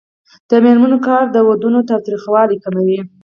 د میرمنو کار د ودونو تاوتریخوالی کموي.